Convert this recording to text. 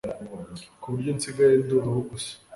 ku buryo nsigaye ndi uruhu rusa